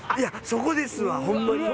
そこですわホンマに。